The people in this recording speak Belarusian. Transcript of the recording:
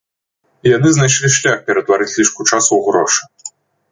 І яны знайшлі шлях ператварыць лішку часу ў грошы.